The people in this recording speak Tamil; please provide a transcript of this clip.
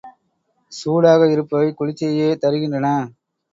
சூடாக இருப்பவை குளிர்ச்சியையே தருகின்றன.